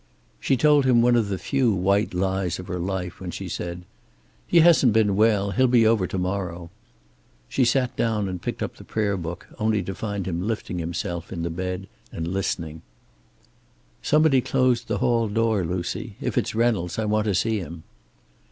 She told him one of the few white lies of her life when she said: "He hasn't been well. He'll be over to morrow." She sat down and picked up the prayer book, only to find him lifting himself in the bed and listening. "Somebody closed the hall door, Lucy. If it's Reynolds, I want to see him."